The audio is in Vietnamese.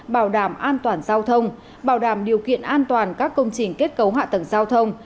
bảo đảm an toàn giao thông bảo đảm điều kiện an toàn các công trình kết cấu hạ tầng giao thông